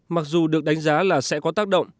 mặc dù được đánh giá là sẽ có tác động